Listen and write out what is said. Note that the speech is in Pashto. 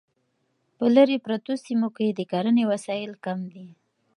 په لیرې پرتو سیمو کې د کرنې وسایل کم دي.